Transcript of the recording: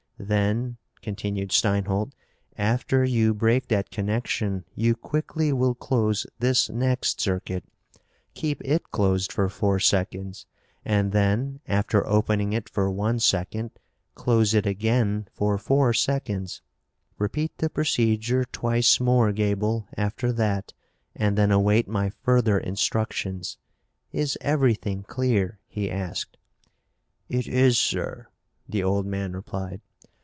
"Then," continued Steinholt, "after you break that connection you quickly will close this next circuit. Keep it closed for four seconds and then, after opening it for one second, close it again for four seconds. Repeat the procedure twice more, Gaeble, after that, and then await my further instructions. Is everything clear?" he asked. "It is, sir," the old man replied.